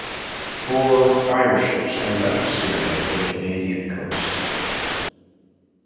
Four fire-ships had left Syria for the Candian coast.